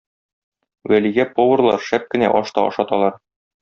Вәлигә поварлар шәп кенә аш та ашаталар.